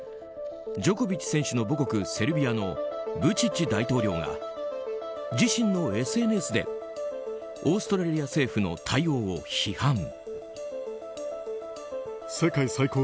ジョコビッチ選手の母国セルビアのブチッチ大統領が自身のＳＮＳでオーストラリア政府の対応を批判。